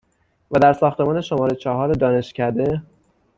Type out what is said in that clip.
و در ساختمان شماره چهار دانشکده،